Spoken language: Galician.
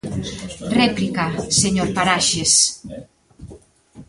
Réplica, señor Paraxes.